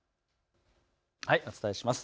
お伝えします。